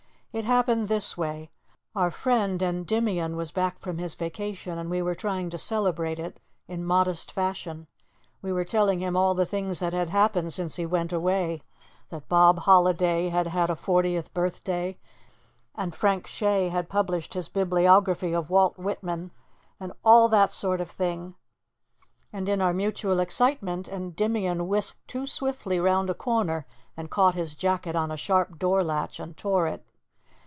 It happened this way: Our friend Endymion was back from his vacation and we were trying to celebrate it in modest fashion. We were telling him all the things that had happened since he went away that Bob Holliday had had a fortieth birthday, and Frank Shay had published his bibliography of Walt Whitman, and all that sort of thing; and in our mutual excitement Endymion whisked too swiftly round a corner and caught his jacket on a sharp door latch and tore it.